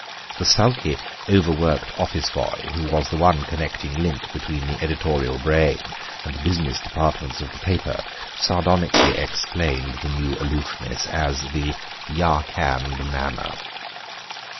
The sulky, overworked office boy, who was the one connecting link between the editorial brain and the business departments of the paper, sardonically explained the new aloofness as the 'Yarkand manner.